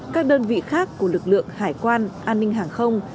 các đơn vị khác của lực lượng hải quan an ninh hàng không